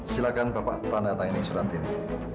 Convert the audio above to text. silakan bapak tanda tangan ini surat ini